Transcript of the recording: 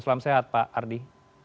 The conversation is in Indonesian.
selam sehat pak ardi